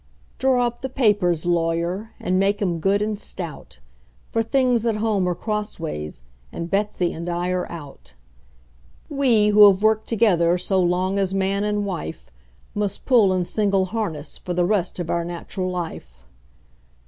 Draw up the papers, lawyer, and make 'em good and stout; For things at home are crossways, and Betsey and I are out. We, who have worked together so long as man and wife, Must pull in single harness for the rest of our nat'ral life.